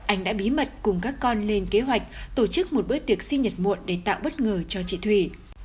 anh đã bí mật cùng các con lên kế hoạch tổ chức một bữa tiệc sinh nhật muộn để tạo bất ngờ cho chị thủy